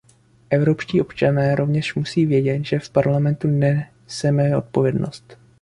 Evropští občané rovněž musí vědět, že v Parlamentu neseme odpovědnost.